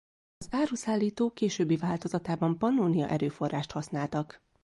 Az áruszállító későbbi változatában Pannónia-erőforrást használtak.